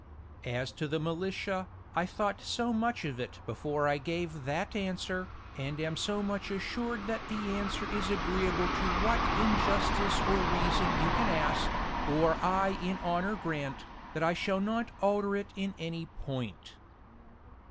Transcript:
"As to the militia, I thought so much of it before I gave that answer, and am so much assured that the answer is agreeable to what in justice or reason you can ask, or I in honor grant, that I shall not alter it in any point.